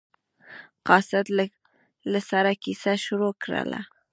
قاصد له سره کیسه شروع کړله.